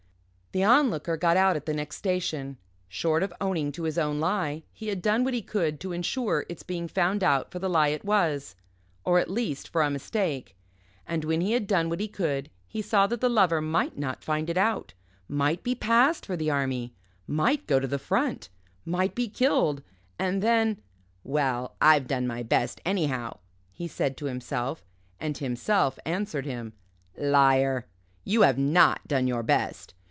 The Onlooker got out at the next station. Short of owning to his own lie, he had done what he could to insure its being found out for the lie it was or, at least, for a mistake. And when he had done what he could, he saw that the Lover might not find it out might be passed for the Army might go to the Front might be killed and then "Well, I've done my best, anyhow," he said to himself and himself answered him: "Liar you have not done your best!